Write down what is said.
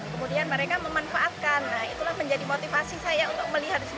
kemudian mereka memanfaatkan itulah menjadi motivasi saya untuk melihat di sini